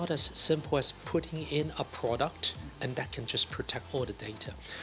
tidak se simpel seperti menempatkan produk yang bisa melindungi semua data